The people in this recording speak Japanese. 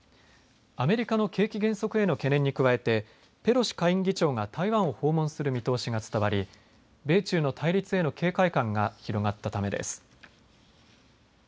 アメリカの景気減速への懸念に加えて、ペロシ下院議長が台湾を訪問する見通しが伝わり米中の対立への警戒感が広がったためです。